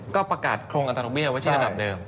ก็ประกาศโครงอัตราดอกเบี้ยไว้ที่ระดับเดิม